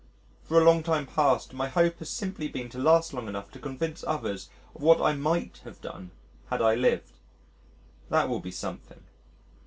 For a long time past my hope has simply been to last long enough to convince others of what I might have done had I lived. That will be something.